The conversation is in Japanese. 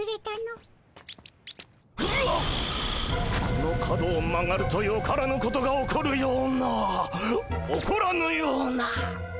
この角を曲がるとよからぬことが起こるような起こらぬような。